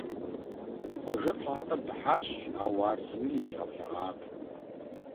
Хъуэжэ пщӀантӀэм дыхьащ, ауэ ар зыми иригъэблэгъакъым.